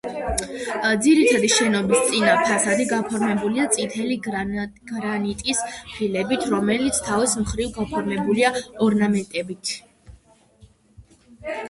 ძირითადი შენობის წინა ფასადი გაფორმებულია წითელი გრანიტის ფილებით, რომელიც თავის მხრივ გაფორმებულია ორნამენტებით.